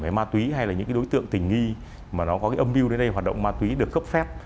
về ma túy hay là những cái đối tượng tình nghi mà nó có cái âm mưu đến đây hoạt động ma túy được cấp phép